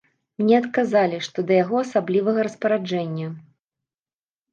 Мне адказалі, што да яго асаблівага распараджэння.